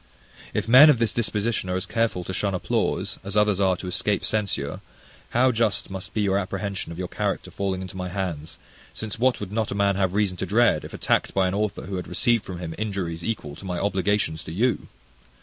If men of this disposition are as careful to shun applause, as others are to escape censure, how just must be your apprehension of your character falling into my hands; since what would not a man have reason to dread, if attacked by an author who had received from him injuries equal to my obligations to you!